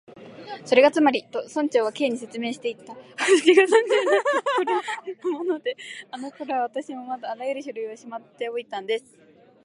「それがつまり」と、村長は Ｋ に説明していった「私が村長になったころのもので、あのころは私もまだあらゆる書類をしまっておいたんです」